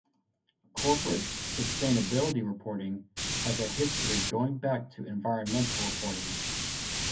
Corporate "sustainability reporting" has a history going back to environmental reporting.